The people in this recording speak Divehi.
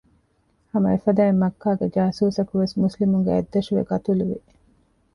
ހަމައެފަދައިން މައްކާގެ ޖާސޫސަކުވެސް މުސްލިމުންގެ އަތްދަށުވެ ޤަތުލުވި